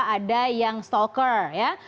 ada yang stalker ya